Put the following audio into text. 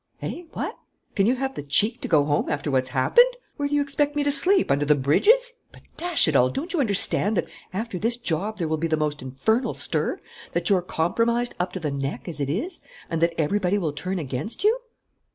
"Eh, what? Can you have the cheek to go home after what's happened?" "Where do you expect me to sleep? Under the bridges?" "But, dash it all, don't you understand that, after this job, there will be the most infernal stir, that you're compromised up to the neck as it is, and that everybody will turn against you?"